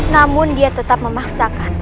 namun dia tetap memaksakan